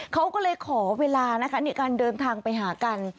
เขาก็เลยขอเวลานะคะในการเดินทางไปหากัน